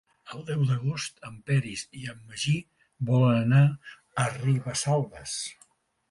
El deu d'agost en Peris i en Magí volen anar a Ribesalbes.